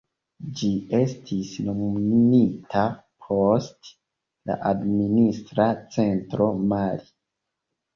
Ĝi estis nomumita post la administra centro Mali.